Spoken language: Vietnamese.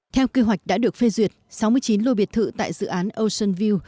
theo kế hoạch đã được phê duyệt sáu mươi chín lô biệt thự tại dự án ocean view